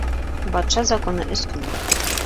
Батша законы өс көнлөк.